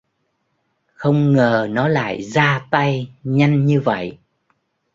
Không ngờ nó lại gia tay nhanh như vậy